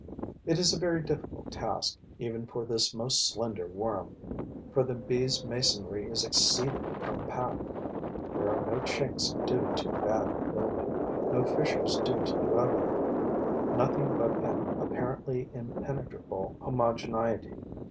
It is a very difficult task, even for this most slender worm, for the bee's masonry is exceedingly compact. There are no chinks due to bad building; no fissures due to the weather; nothing but an apparently impenetrable homogeneity.